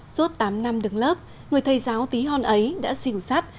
suốt tám năm đứng lớp người thầy giáo tí hon ấy đã dịu sắt